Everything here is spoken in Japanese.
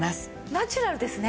ナチュラルですね。